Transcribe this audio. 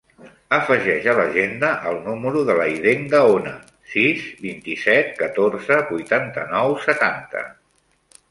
Afegeix a l'agenda el número de l'Aiden Gaona: sis, vint-i-set, catorze, vuitanta-nou, setanta.